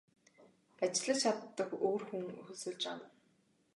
Ажиллаж чаддаг өөр хүн хөлсөлж авна.